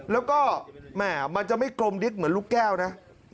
แล้วก็แหม่มันจะไม่กลมดิ๊กเหมือนลูกแก้วนะ